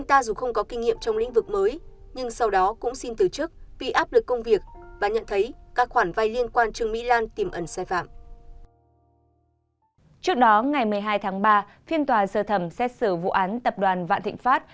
trước đó ngày một mươi hai tháng ba phiên tòa sơ thẩm xét xử vụ án tập đoàn vạn thịnh pháp